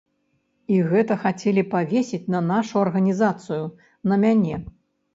І гэта хацелі павесіць на нашу арганізацыю, на мяне.